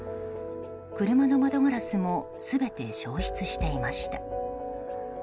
車の窓ガラスも全て焼失していました。